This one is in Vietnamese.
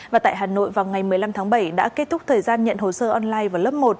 và tại hà nội vào ngày một mươi năm tháng bảy đã kết thúc thời gian nhận hồ sơ online vào lớp một